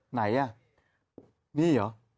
ไหนอ่ะนี่เหรอ